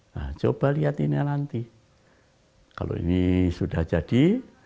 nah coba lihat ini nanti kalau ini sudah jadi